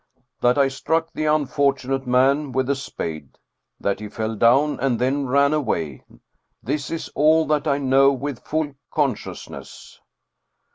That I struck the unfortunate man with the spade, that he fell down and then ran away, this is all that I know with full consciousness.